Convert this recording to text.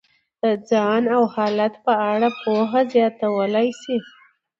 د ځان او حالت په اړه پوهه زیاتولی شي.